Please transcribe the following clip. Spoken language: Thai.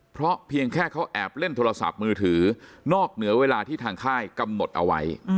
เพราะเพียงแค่เขาแอบเล่นโทรศัพท์มือถือนอกเหนือเวลาที่ทางค่ายกำหนดเอาไว้